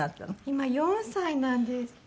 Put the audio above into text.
今４歳なんです。